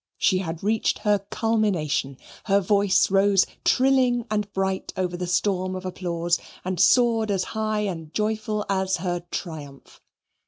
She had reached her culmination: her voice rose trilling and bright over the storm of applause, and soared as high and joyful as her triumph.